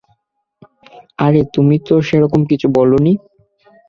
আরে, আমি তো সেরকম কিছু বলিনি!